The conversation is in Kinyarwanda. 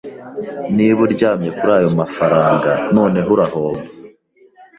niba uryamye kuri ayo mafaranga noneho urahomba